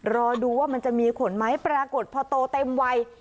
รอดูว่ามันจะมีขนไหมปรากฏพอโตเต็มวัย